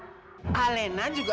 ibu ibu tak bisa berbicara sama kamu